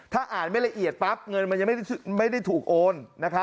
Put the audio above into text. ถ้าอ่านไม่ละเอียดปั๊บเงินมันยังไม่ได้ถูกโอน